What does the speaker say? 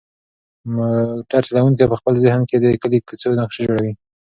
موټر چلونکی په خپل ذهن کې د کلي د کوڅو نقشه جوړوي.